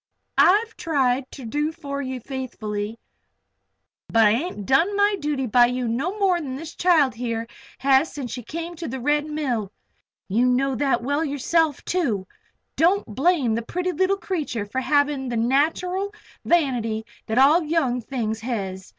I've tried ter do for ye faithfully. But I ain't done my duty by you no more than this child here has since she's come here to the Red Mill. You know that well yourself, too. Don't blame the pretty leetle creetur for havin' the nateral vanity that all young things hez.